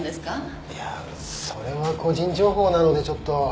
いやそれは個人情報なのでちょっと。